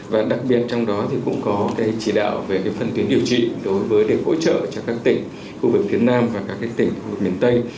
và đặc biệt trong đó thì cũng có cái chỉ đạo về phân tuyến điều trị đối với để hỗ trợ cho các tỉnh khu vực tiến nam và các tỉnh miền tây